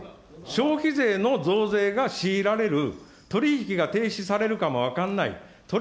消費税の増税が強いられる、取り引きが停止されるかも分かんないと。